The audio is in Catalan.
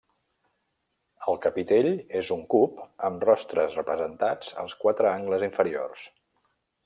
El capitell és un cub amb rostres representats als quatre angles inferiors.